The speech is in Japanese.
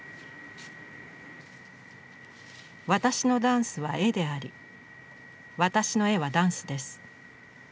私のダンスは絵であり私の絵はダンスです。